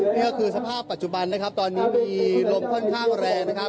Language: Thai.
นี่ก็คือสภาพปัจจุบันนะครับตอนนี้มีลมค่อนข้างแรงนะครับ